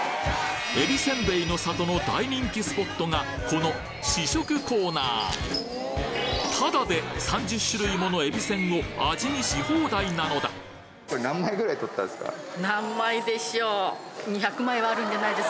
えびせんべいの里の大人気スポットがこのタダで３０種類ものえびせんを味見し放題なのだ何枚でしょう？